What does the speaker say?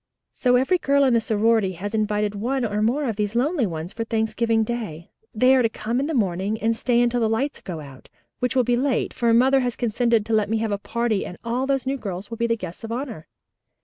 So every girl in the sorority has invited one or more of these lonely ones for Thanksgiving Day. They are to come in the morning and stay until the lights go out, which will be late, for mother has consented to let me have a party and all those new girls are to be the guests of honor.